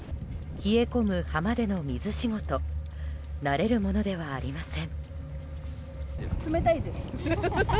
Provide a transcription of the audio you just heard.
冷え込む浜での水仕事慣れるものではありません。